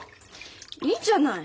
いいじゃない。